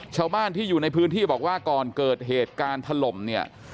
ชาวบ้านที่อยู่ในพื้นที่บอกว่าก่อนเกิดเหตุการณ์ถล่มเนี่ย